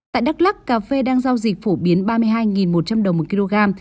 tại đắk lắc cà phê đang giao dịch phổ biến ba mươi hai một trăm linh đồng một kg